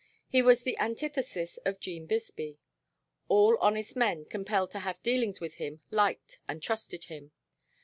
He was the antithesis of 'Gene Bisbee. All honest men compelled to have dealings with him liked and trusted him.